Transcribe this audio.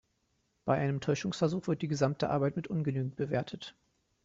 Bei einem Täuschungsversuch wird die gesamte Arbeit mit ungenügend bewertet.